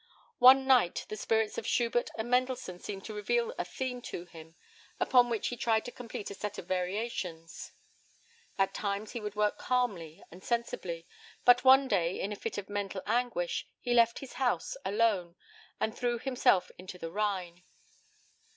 One night the spirits of Schubert and Mendelssohn seemed to reveal a theme to him, upon which he tried to complete a set of variations. At times he would work calmly and sensibly, but one day, in a fit of mental anguish, he left his house, alone, and threw himself into the Rhine.